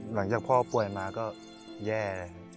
หลังจากพ่อป่วยมาก็แย่